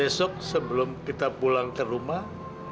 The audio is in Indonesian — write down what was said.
besok sebelum kita pulang ke rumah